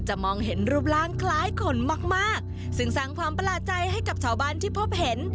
มองเห็นรูปร่างคล้ายคนมากมากซึ่งสร้างความประหลาดใจให้กับชาวบ้านที่พบเห็น